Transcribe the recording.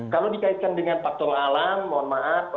kalau dikaitkan dengan faktor alam mohon maaf